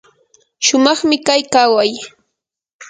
shumaqmi kay kaway.